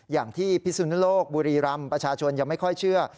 พิสุนโลกบุรีรำประชาชนยังไม่ค่อยเชื่อ